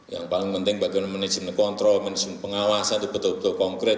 yang paling penting bagaimana manajemen kontrol management pengawasan itu betul betul konkret